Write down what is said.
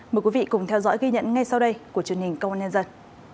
mời quý vị cùng theo dõi ghi nhận ngay sau đây của truyền hình công an nhân dân